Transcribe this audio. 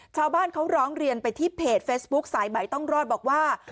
ชาวบ้านเขาร้องเรียนไปที่เพจเฟซบุ๊คสายใหม่ต้องรอดบอกว่า